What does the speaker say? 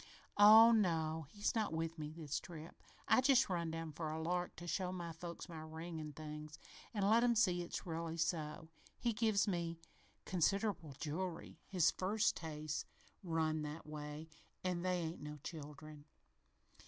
"Oh no, he's not with me this trip. I just run down for a lark to show my folks my ring an' things, an' let 'em see it's really so. He give me considerable jewelry. His First's taste run that way, an' they ain't no children.